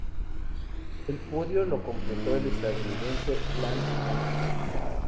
El podio lo completó el estadounidense Lance Armstrong.